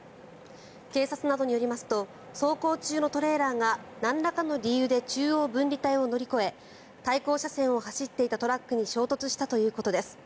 警察などによりますと走行中のトレーラーがなんらかの理由で中央分離帯を乗り越え対向車線を走っていたトラックに衝突したということです。